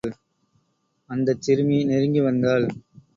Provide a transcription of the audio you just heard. அந்தச் சிறுமி நெருங்கி வந்தாள்.